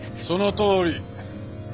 そのとおり。